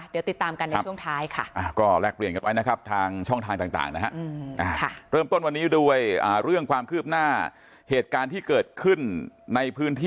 เดี๋ยวติดตามกันในช่วงท้ายค่ะ